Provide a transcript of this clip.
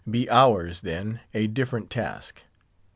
Be ours, then, a different task.